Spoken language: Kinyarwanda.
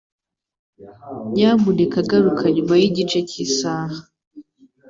Nyamuneka garuka nyuma yigice cyisaha.